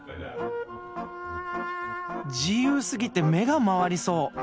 自由すぎて目が回りそう。